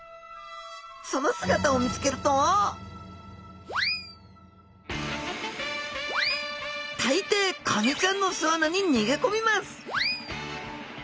その姿を見つけると大抵カニちゃんの巣穴に逃げ込みます